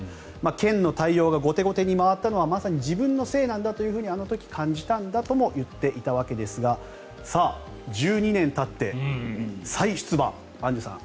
県の対応が後手後手に回ったのはまさに自分のせいだと感じたんだとあの時言っていたわけですが１２年たって再出馬アンジュさん